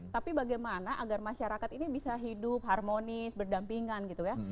tapi bagaimana agar masyarakat ini bisa hidup harmonis berdampingan gitu ya